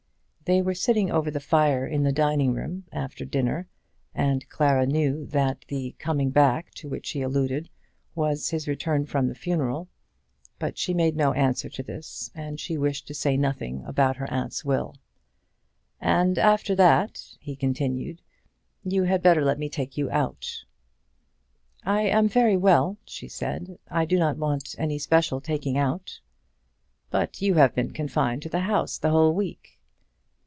They were sitting over the fire in the dining room, after dinner, and Clara knew that the coming back to which he alluded was his return from the funeral. But she made no answer to this, as she wished to say nothing about her aunt's will. "And after that," he continued, "you had better let me take you out." "I am very well," she said. "I do not want any special taking out." "But you have been confined to the house the whole week."